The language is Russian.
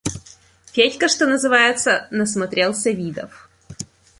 Федька, что называется, насмотрелся видов.